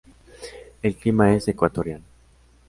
El clima es ecuatorial.